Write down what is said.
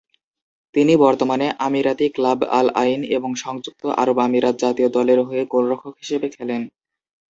তিনি বর্তমানে আমিরাতি club Al আইন এবং সংযুক্ত আরব আমিরাত জাতীয় দলের হয়ে গোলরক্ষক হিসেবে খেলেন।